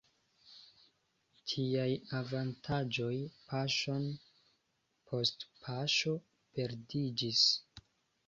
Tiaj avantaĝoj paŝon post paŝo perdiĝis.